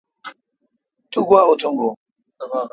تو گوا اتونگون۔